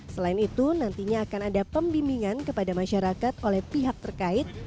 selain itu nantinya akan ada pembimbingan kepada masyarakat oleh pihak terkait